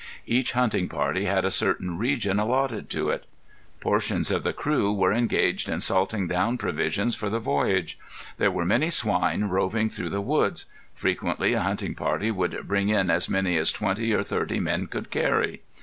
Each hunting party had a certain region allotted to it. Portions of the crews were engaged in salting down provisions for the voyage. There were many swine roving through the woods. Frequently a hunting party would bring in as many as twenty or thirty men could carry.